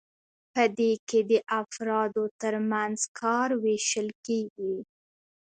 په دې کې د افرادو ترمنځ کار ویشل کیږي.